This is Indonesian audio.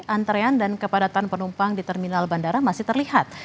antrean dan kepadatan penumpang di terminal bandara masih terlihat